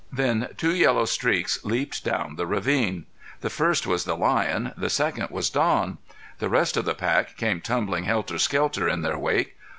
Then two yellow streaks leaped down the ravine. The first was the lion, the second was Don. The rest of the pack came tumbling helter skelter in their wake.